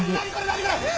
何これ！？